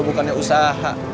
bukannya usaha gue